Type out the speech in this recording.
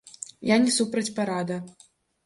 Я не супраць парада.